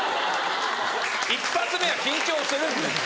一発目は緊張するんです。